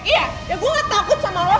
iya ya gue gak takut sama lo